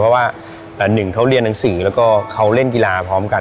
เพราะว่าหนึ่งเขาเรียนหนังสือแล้วก็เขาเล่นกีฬาพร้อมกัน